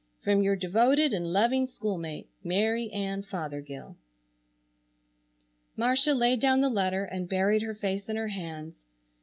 "From your devoted and loving school mate, "MARY ANN FOTHERGILL." Marcia laid down the letter and buried her face in her hands.